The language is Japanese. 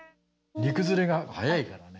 煮崩れが早いからね。